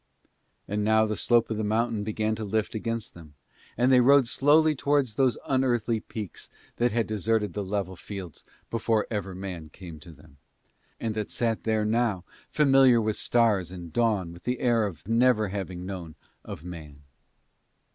And now the slope of the mountain began to lift against them, and they rode slowly towards those unearthly peaks that had deserted the level fields before ever man came to them, and that sat there now familiar with stars and dawn with the air of never having known of man.